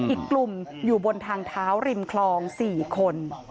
อีกกลุ่มอยู่บนทางเท้าริมคลอง๔คน